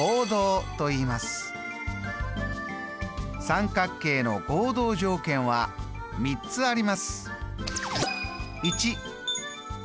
三角形の合同条件は３つあります。